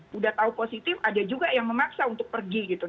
sudah tahu positif ada juga yang memaksa untuk pergi gitu